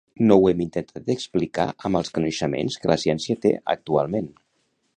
No ho hem intentat explicar amb els coneixements que la ciència té actualment.